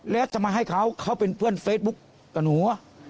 แล้วจะมาให้เขาเขาเป็นเพื่อนเฟซบุ๊คกับหนู